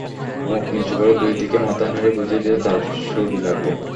মুখ নিচু করেই দুই দিকে মাথা নেড়ে বুঝিয়ে দিল তার চুড়ি লাগবে।